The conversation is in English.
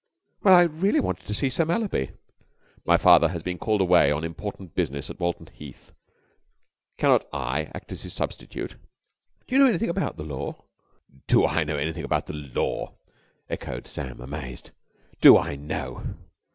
"Well, I really wanted to see Sir Mallaby." "My father has been called away on important business to Walton Heath. Cannot I act as his substitute?" "Do you know anything about the law?" "Do I know anything about the law!" echoed Sam, amazed. "Do I know